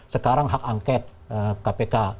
sekarang hak angket kpk